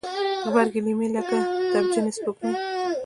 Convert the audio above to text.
غبرګي لیمې لکه تبجنې سپوږمۍ